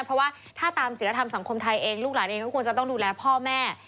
เพราะว่าถ้าตามศิลธรรมสังคมไทยเองลูกหลานเองก็ควรจะต้องดูแลพ่อแม่